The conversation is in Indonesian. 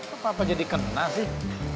apa apa jadi kena sih